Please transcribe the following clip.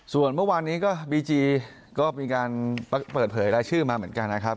ส่วนเมื่อวานนี้ก็บีจีก็มีการเปิดเผยรายชื่อมาเหมือนกันนะครับ